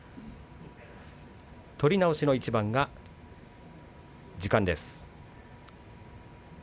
取り直しの一番は時間です。